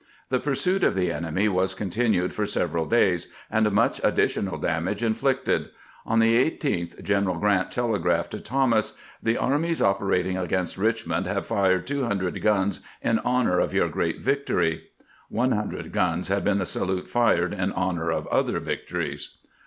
The pursuit of the enemy was continued for several days, and much additional damage inflicted. On the 18th Greneral Grrant telegraphed to Thomas: "The armies operating against Richmond have fired two hun dred guns in honor of your great victory. ..." One hundred guns had been the salute fired in honor of other victories.